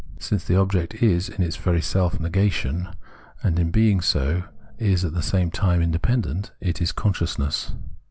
Since the object is in its very self negation, and in being so is at the same time independent, it is Consciousness.